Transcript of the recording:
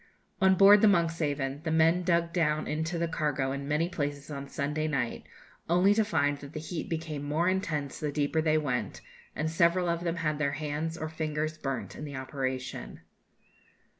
On board the 'Monkshaven' the men dug down into the cargo in many places on Sunday night, only to find that the heat became more intense the deeper they went; and several of them had their hands or fingers burnt in the operation.